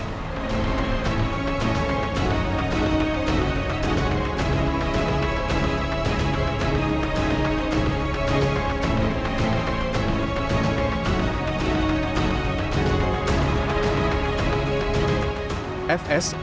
fs menemukan para pekerja